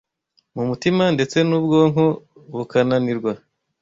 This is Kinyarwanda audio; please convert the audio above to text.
mu mutima ndetse n’ubwonko bukananirwa,